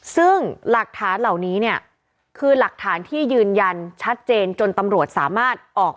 ซึ่งหลักฐานเหล่านี้เนี่ยคือหลักฐานที่ยืนยันชัดเจนจนตำรวจสามารถออก